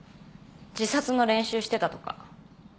自殺の練習してたとか？